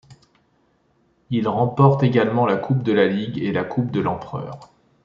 Il remporte également la Coupe de la Ligue et la Coupe de l'Empereur.